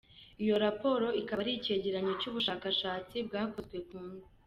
Iyo raporo ikaba ari icyegeranyo cy’ubushakashatsi bwakozwe ku ngo.